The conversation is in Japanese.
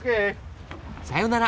さよなら。